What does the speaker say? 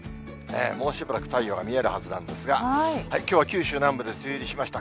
もうしばらく太陽が見えるはずなんですが、きょうは九州南部で梅雨入りしました。